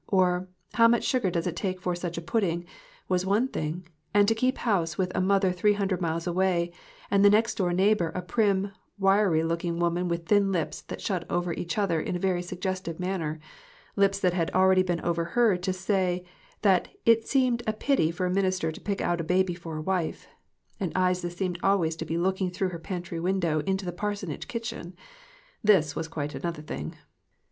" or, "How much sugar does it take for such a pudding ?" was one thing, and to keep house with a mother three hundred miles away, and the next door neighbor a prim, wiry looking woman, with thin lips that shut over each other in a very suggestive manner lips that had already been overheard to say that "it seemed a pity for a minister to pick out a baby for a wife" and eyes that seemed always to be looking through her pantry window into the parsonage kitchen this was quite another thing.